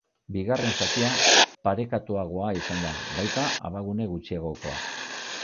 Bigarren zatia parekatuagoa izan da, baita abagune gutxiagokoa.